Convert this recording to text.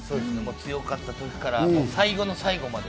強かった時から最後の最後まで。